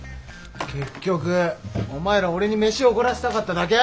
結局お前ら俺に飯おごらせたかっただけ？